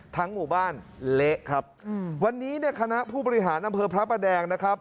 ทั้งหมู่บ้านเละครับวันนี้คณะผู้บริหารอำเภอพระประแดงนะครับ